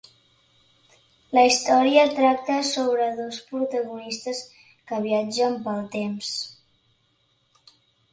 La història tracta sobre dos protagonistes que viatgen pel temps.